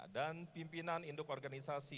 dan pimpinan induk organisasi